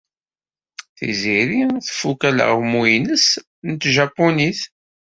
Tiziri tfuk alaɣmu-nnes n tjapunit.